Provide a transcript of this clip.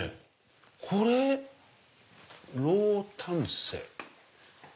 これ「ローダンセ」。